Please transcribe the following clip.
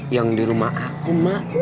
yang di rumah aku mah